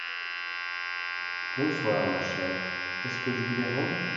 Bonsoir, ma chère ; est-ce que je vous dérange ?